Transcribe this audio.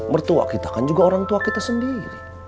mertua kita kan juga orang tua kita sendiri